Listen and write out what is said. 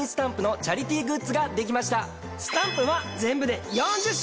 スタンプは全部で４０種類！